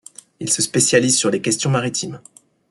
Il se spécialise sur les questions maritimes.